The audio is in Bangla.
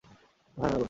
মাথা ঠাণ্ডা কর।